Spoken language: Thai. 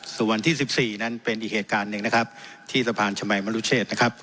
ส่วนวันที่๑๔นั้นเป็นอีกเหตุการณ์หนึ่งนะครับที่สะพานชมัยมรุเชษนะครับ